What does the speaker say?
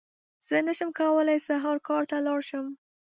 زه نشم کولی سهار کار ته لاړ شم!